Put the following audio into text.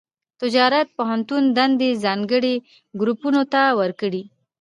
تجارت پوهنتون دندې ځانګړي ګروپونو ته ورکړي.